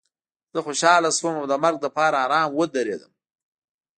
زه خوشحاله شوم او د مرګ لپاره ارام ودرېدم